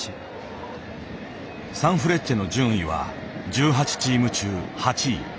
サンフレッチェの順位は１８チーム中８位。